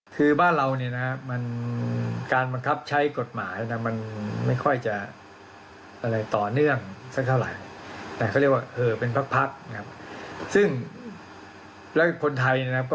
ดูจากคลิปเฉยนะ